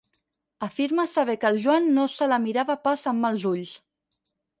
Afirma saber que el Joan no se la mirava pas amb mals ulls.